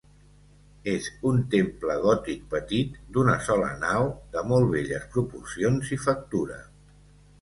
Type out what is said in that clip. És un temple gòtic petit, d'una sola nau, de molt belles proporcions i factura.